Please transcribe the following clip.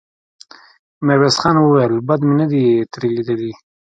ميرويس خان وويل: بد مې نه دې ترې ليدلي.